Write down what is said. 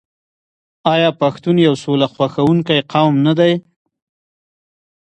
آیا پښتون یو سوله خوښوونکی قوم نه دی؟